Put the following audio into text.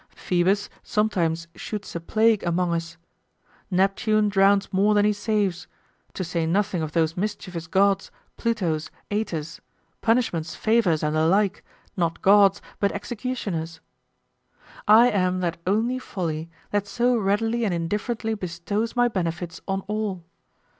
Phoebus sometimes shoots a plague among us. Neptune drowns more than he saves: to say nothing of those mischievous gods, Plutoes, Ates, punishments, favors, and the like, not gods but executioners. I am that only Folly that so readily and indifferently bestows my benefits on all.